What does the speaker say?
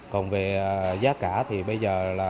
còn về giá cả thì bây giờ